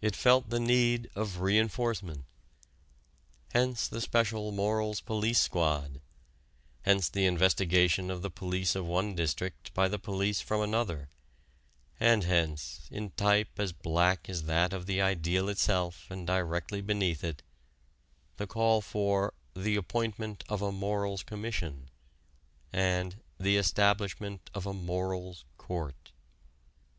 It felt the need of re enforcement. Hence the special morals police squad; hence the investigation of the police of one district by the police from another; and hence, in type as black as that of the ideal itself and directly beneath it, the call for "the appointment of a morals commission" and "the establishment of a morals court."